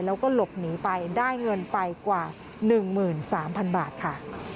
แล้วก็หลบหนีไปได้เงินไปกว่า๑๓๐๐๐บาทค่ะ